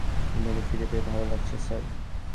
আপনাকে ফিরে পেয়ে ভালো লাগছে, স্যার!